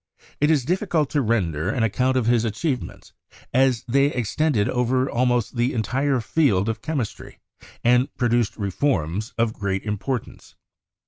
It is difficult to render an account of his achievements, as they extended over almost the entire field of chemistry and produced reforms of great impor tance.